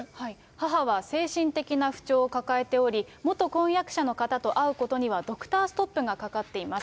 母は精神的な不調を抱えており、元婚約者の方と会うことにはドクターストップがかかっています。